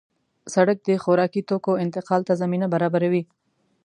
سړک د خوراکي توکو انتقال ته زمینه برابروي.